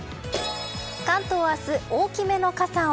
関東明日、大きめの傘を。